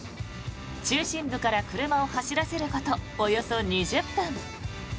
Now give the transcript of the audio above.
中心部から車を走らせることおよそ２０分。